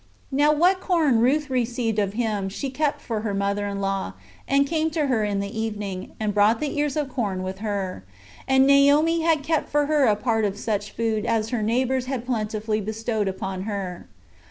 Now what corn Ruth received of him she kept for her mother in law, and came to her in the evening, and brought the ears of corn with her; and Naomi had kept for her a part of such food as her neighbors had plentifully bestowed upon her.